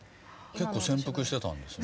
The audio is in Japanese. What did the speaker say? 結構潜伏してたんですね。